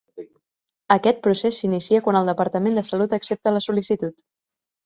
Aquest procés s'inicia quan el Departament de Salut accepta la sol·licitud.